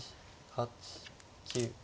８９。